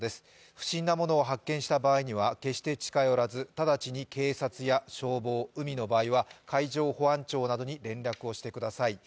不審なものを発見した場合には決して近寄らず直ちに警察や消防、海の場合は海上保安庁などに連絡をしてください。